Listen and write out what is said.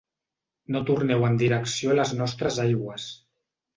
No torneu en direcció a les nostres aigües.